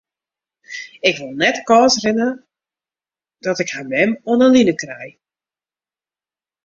Ik wol net de kâns rinne dat ik har mem oan 'e line krij.